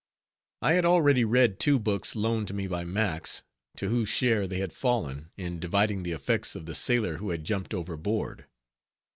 I had already read two books loaned to me by Max, to whose share they had fallen, in dividing the effects of the sailor who had jumped overboard.